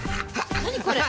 何これ？